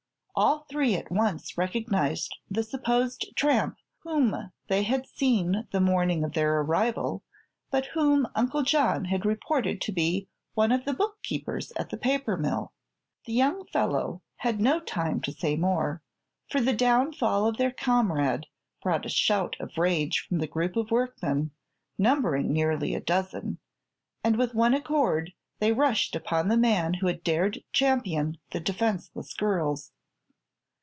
All three at once recognized the supposed tramp whom they had seen the morning of their arrival, but whom Uncle John had reported to be one of the bookkeepers at the paper mill. The young fellow had no time to say more, for the downfall of their comrade brought a shout of rage from the group of workmen, numbering nearly a dozen, and with one accord they rushed upon the man who had dared champion the defenseless girls.